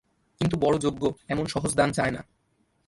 কিন্তু বড়ো যজ্ঞ এমন সহজ দান চায় না।